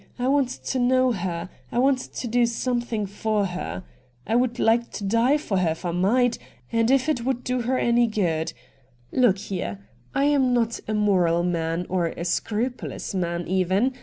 I want to know her — I want to do something for her. VOL. I. R 242 RED DIAMONDS I should like to die for her if I might, and if it would do her any good. Look here, I am not a moral man or a scrupulous man even.